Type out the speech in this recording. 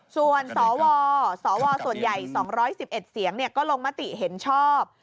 ส่วนสวสวส่วนใหญ่๒๑๑เสียงก็ลงมติเห็นชอบ